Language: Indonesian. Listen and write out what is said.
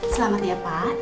selamat ya pak